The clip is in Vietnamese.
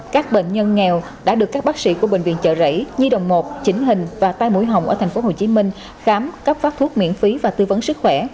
các bệnh nhân nghèo đã được các bác sĩ của bệnh viện trợ rẫy di đồng một chỉnh hình và tai mũi hồng ở tp hcm khám cấp phát thuốc miễn phí và tư vấn sức khỏe